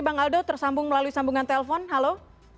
bang aldo tersambung melalui sambungan telpon halo